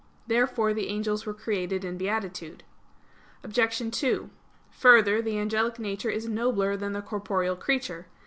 Therefore the angels were created in beatitude. Obj. 2: Further, the angelic nature is nobler than the corporeal creature.